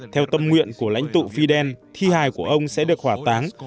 theo tâm nguyện của lãnh tụ fidel thi hài của ông sẽ được hỏa táng